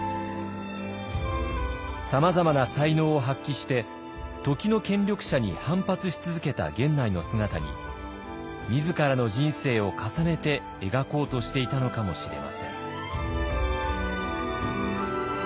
さまざまな才能を発揮して時の権力者に反発し続けた源内の姿に自らの人生を重ねて描こうとしていたのかもしれません。